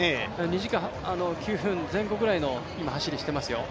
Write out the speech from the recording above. ２時間９分前後ぐらいの走りをしていますよ。